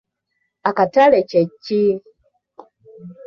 Akatale kye ki?